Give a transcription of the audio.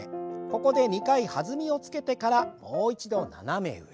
ここで２回弾みをつけてからもう一度斜め上。